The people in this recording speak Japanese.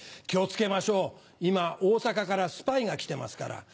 気を付けましょう今大阪からスパイが来てますから。